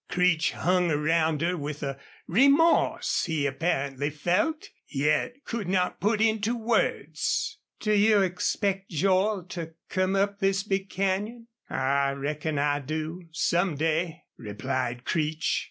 Creech hung around her with a remorse he apparently felt, yet could not put into words. "Do you expect Joel to come up this big canyon?" "I reckon I do some day," replied Creech.